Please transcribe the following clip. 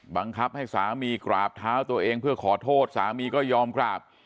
บังคับให้สามีกราบเท้าตัวเองเพื่อขอโทษสามีก็ยอมกราบ